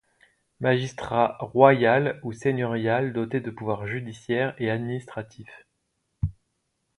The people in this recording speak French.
Magistrat royal ou seigneurial doté de pouvoirs judiciaires et administratifs.